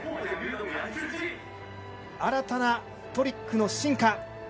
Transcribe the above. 新たなトリックの進化。